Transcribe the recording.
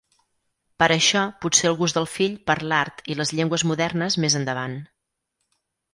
Per això potser el gust del fill per l'art i les llengües modernes més endavant.